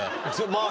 まあ